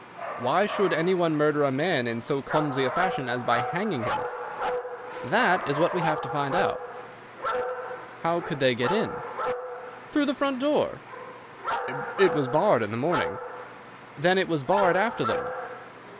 "Why should any one murder a man in so clumsy a fashion as by hanging him?" "That is what we have to find out." "How could they get in?" "Through the front door." "It was barred in the morning." "Then it was barred after them."